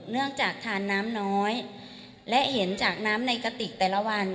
จากทานน้ำน้อยและเห็นจากน้ำในกระติกแต่ละวัน